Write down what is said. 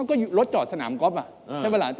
โอ้โหคราวนี้พึบเลย